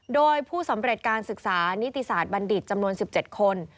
โดยผู้สำเร็จการศึกษานิติศาสตร์บัณฑิตจำนวน๑๗คน